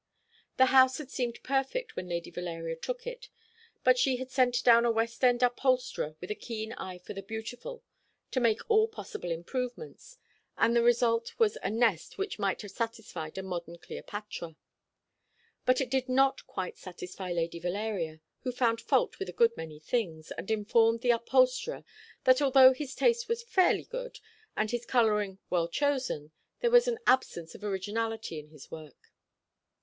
The house had seemed perfect when Lady Valeria took it, but she had sent down a West End upholsterer with a keen eye for the beautiful to make all possible improvements; and the result was a nest which might have satisfied a modern Cleopatra. But it did not quite satisfy Lady Valeria, who found fault with a good many things, and informed the upholsterer that although his taste was fairly good, and his colouring well chosen, there was an absence of originality in his work.